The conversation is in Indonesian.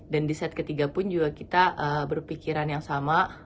dan di set ke tiga pun juga kita berpikiran yang sama